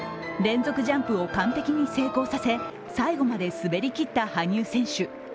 連続ジャンプを完璧に成功させ、最後まで滑りきった羽生選手。